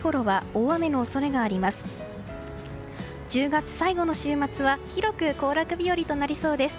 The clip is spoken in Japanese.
１０月最後の週末は広く行楽日和となりそうです。